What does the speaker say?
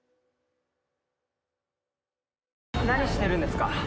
何してるんですか？